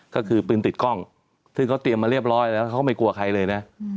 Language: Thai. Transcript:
ก็คือปืนติดกล้องซึ่งเขาเตรียมมาเรียบร้อยแล้วเขาก็ไม่กลัวใครเลยนะ